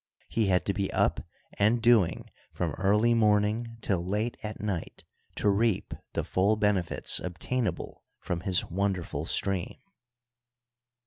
He had to be up and doing from early morning till late at night, to reap the full benefits obtainable from his wonderful stream.